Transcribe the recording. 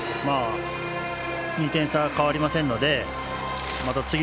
２点差は変わりませんのでまた